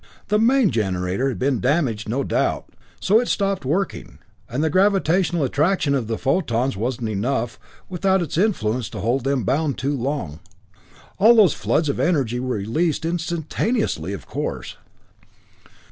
"The main generator had been damaged, no doubt, so it stopped working, and the gravitational attraction of the photons wasn't enough, without its influence to hold them bound too long. All those floods of energy were released instantaneously, of course.